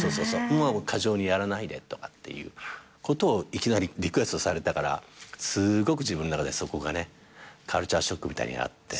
過剰にやらないでとかっていうことをいきなりリクエストされたからすごく自分の中でそこがねカルチャーショックみたいになって。